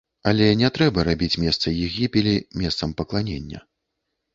Але не трэба рабіць месца іх гібелі месцам пакланення.